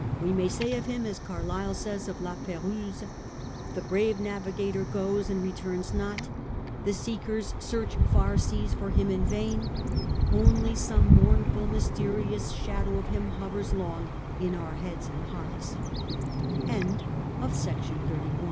We may say of him as Carlyle says of La Perouse, ' The brave navigator goes and returns not ; the seekers search far seas for him in vain ; only some mournful mysterious shadow of him hovers long in all heads and h